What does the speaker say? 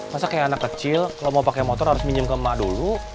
masa kayak anak kecil kalau mau pakai motor harus minjem ke emak dulu